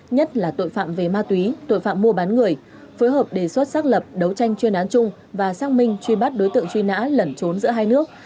nhất là tội phạm về ma túy tội phạm mua bán người phối hợp đề xuất xác lập đấu tranh chuyên án chung và xác minh truy bắt đối tượng truy nã lẩn trốn giữa hai nước